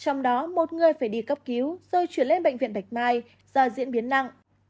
trong đó một người phải đi cấp cứu rồi chuyển lên bệnh viện bạch mai do diễn biến nặng